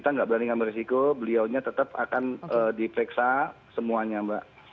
tidak berani ngambil risiko beliaunya tetap akan dipeksa semuanya mbak